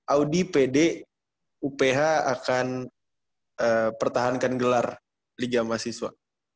audi pd uph akan pertahankan gelar liga mahasiswa